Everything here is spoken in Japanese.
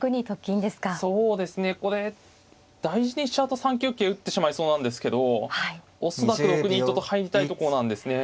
これ大事にしちゃうと３九桂打ってしまいそうなんですけど恐らく６二とと入りたいとこなんですね。